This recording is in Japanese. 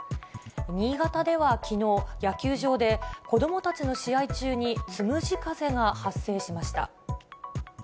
新潟ではきのう、野球場で、子どもたちの試合中につむじ風が発生しました。